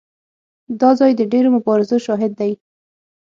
دا ځای د ډېرو مبارزو شاهد دی.